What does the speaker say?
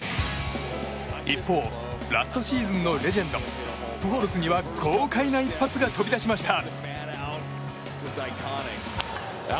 一方、ラストシーズンのレジェンド、プホルスには豪快な一発が飛び出しました。